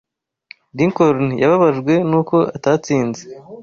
Lincoln yababajwe nuko atatsinze.